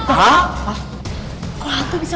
hah kok aku bisa